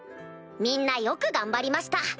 みんなよく頑張りました。